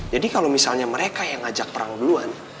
jadi kalau misalnya mereka yang ajak perang duluan